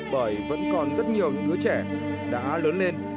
bởi vẫn còn rất nhiều đứa trẻ đã lớn lên